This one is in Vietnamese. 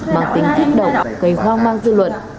bằng tính thích độc gây hoang mang dư luận